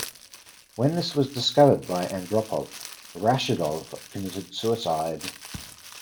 When this was discovered by Andropov, Rashidov committed suicide.